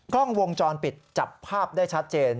กล้องวงจรปิดจับภาพได้ชัดเจน